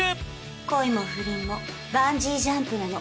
恋も不倫もバンジージャンプなの。